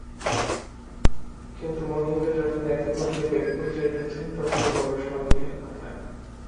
কিন্তু মহিনদা যখন এত করিয়া বেকবুল যাইতেছেন তখন বড়ো সন্দেহের কথা।